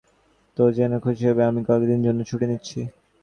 তো জেনে খুশি হবে যে, আমি কয়েকদিনের জন্য ছুটি নিচ্ছি।